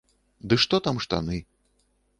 Ды што там штаны.